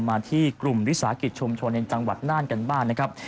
มาที่กลุ่มวิสาหกิจชุมชนในจังหวัดน่านกันบ้างนะครับ